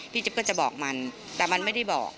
จิ๊บก็จะบอกมันแต่มันไม่ได้บอก